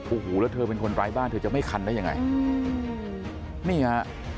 โอ้โหแล้วเธอเป็นคนร้ายบ้านเธอจะไม่คันได้ยังไงนี่ฮะ